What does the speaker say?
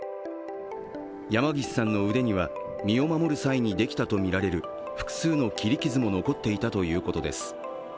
山岸さんの腕には身を守る際にできたとみられる複数の切り傷も残っていたということです。